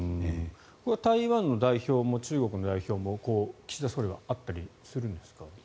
これは台湾の代表も中国の代表も岸田総理は会ったりするんですか？